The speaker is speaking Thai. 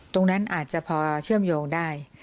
ตรงนั้นอาจจะพอเชื่อมโยงได้